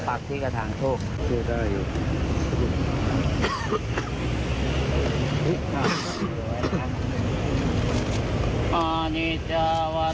สัมปเวศีวิญญาณเล่ลอนทั้งหลาย